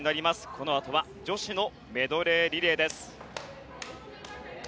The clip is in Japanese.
このあとは女子のメドレーリレーです。